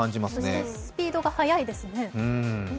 そしてスピードが速いですね。